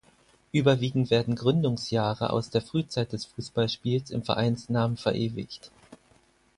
Überwiegend werden Gründungsjahre aus der Frühzeit des Fußballspiels im Vereinsnamen verewigt.